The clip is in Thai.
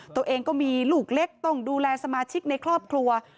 ตัวเองก็มีลูกเล็กต้องดูแลสมาชิกในครอบครัว